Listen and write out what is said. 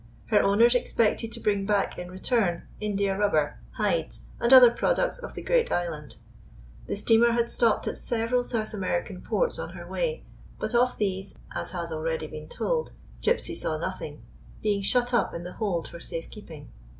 Her owners expected to bring back in return India rubber, hides and other products of the great island. The steamer had stopped at several South American ports on her way, but of these, as has already been told, Gypsy saw nothing, being shut up in the hold for safe keeping.